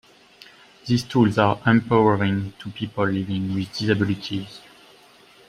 These tools are empowering to people living with disabilities.